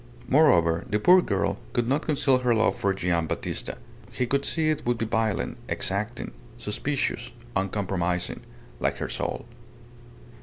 Moreover, the poor girl could not conceal her love for Gian' Battista. He could see it would be violent, exacting, suspicious, uncompromising like her soul.